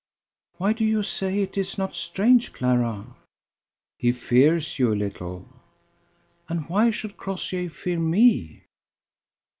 "Why do you say it is not strange, Clara?" "He fears you a little." "And why should Crossjay fear me?"